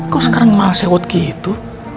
kok sekarang malasnya buat gitu